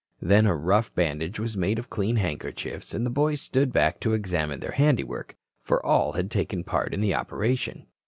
Then a rough bandage was made of clean handkerchiefs, and the boys stood back to examine their handiwork, for all had taken part in the operation.